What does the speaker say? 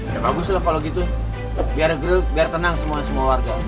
ya bagus lah kalau gitu biar gerut biar tenang semua semua warga